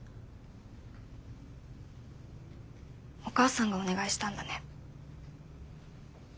お母さんがお願いしたんだね。